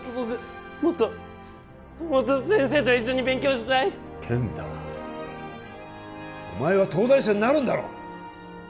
もっともっと先生と一緒に勉強したい健太お前は東大生になるんだろ！